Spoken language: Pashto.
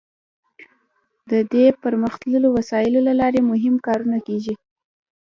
د دې پرمختللو وسایلو له لارې مهم کارونه کیږي.